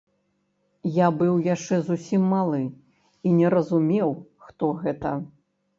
Я быў яшчэ зусім малы і не разумеў, хто гэта.